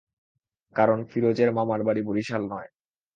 কারণ ফিরোজের মামার বাড়ি বরিশাল নয়।